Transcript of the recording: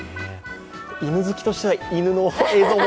犬好きとしては、犬の映像も